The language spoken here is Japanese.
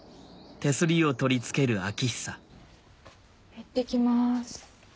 いってきます。